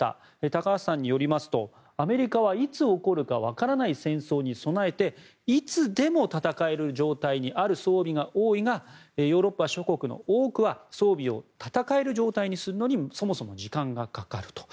高橋さんによりますとアメリカはいつ起こるかわからない戦争に備えていつでも戦える状態にある装備が多いがヨーロッパ諸国の多くは装備を戦える状態にするのにそもそも時間がかかると。